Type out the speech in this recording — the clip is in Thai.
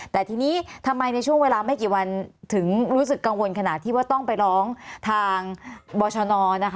แต่ทีนี้ทำไมในช่วงเวลาไม่กี่วันถึงรู้สึกกังวลขนาดที่ว่าต้องไปร้องทางบรชน